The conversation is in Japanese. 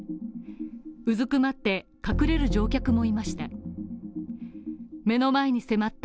うずくまって隠れる乗客もいました。